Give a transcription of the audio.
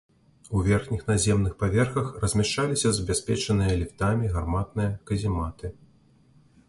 У верхніх наземных паверхах размяшчаліся забяспечаныя ліфтамі гарматныя казематы.